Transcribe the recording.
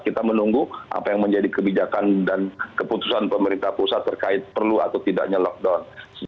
kita menunggu apa yang menjadi kebijakan dan keputusan pemerintah pusat terkait perlu atau tidaknya lockdown